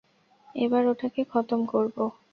এবার ওটাকে খতম করবো।